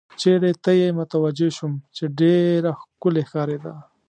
چېرې ته یې متوجه شوم، چې ډېره ښکلې ښکارېده.